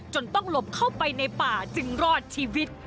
จนต้องหลบเข้าไปในป่าจึงรอดชีวิต